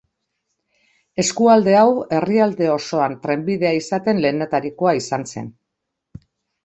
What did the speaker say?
Eskualde hau herrialde osoan trenbidea izaten lehenetarikoa izan zen.